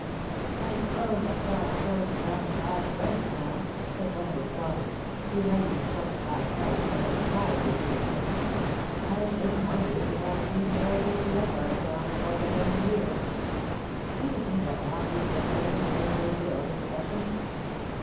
* I suppose that Cobb^s coach is on its last legs now,* said one of the squatters, relighting a short black pipe that had expired between his lips. * I shouldn^t wonder if we had steam carriages to Leichardt's Town before December year. Do you think that Longleat will carry his railway bill this session